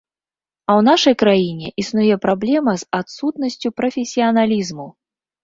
А ў нашай краіне існуе праблема з адсутнасцю прафесіяналізму.